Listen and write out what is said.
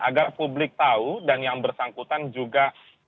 agar publik tahu dan yang bersangkutan juga